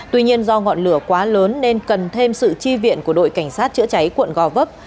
tuy nhiên do ngọn lửa quá lớn nên cần thêm sự chi viện của đội cảnh sát chữa cháy quận gò vấp